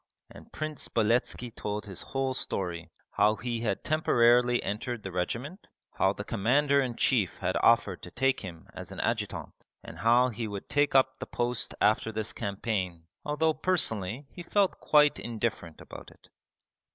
and Prince Beletski told his whole story: how he had temporarily entered the regiment, how the Commander in Chief had offered to take him as an adjutant, and how he would take up the post after this campaign although personally he felt quite indifferent about it.